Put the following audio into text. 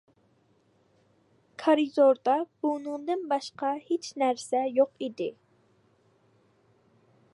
كارىدوردا بۇنىڭدىن باشقا ھېچ نەرسە يوق ئىدى.